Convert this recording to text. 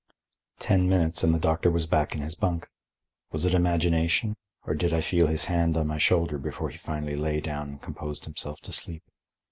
Ten minutes and the doctor was back in his bunk. Was it imagination, or did I feel his hand on my shoulder before he finally lay down and composed himself to sleep?